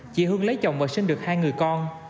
chị hương lấy chồng và sinh được hai người con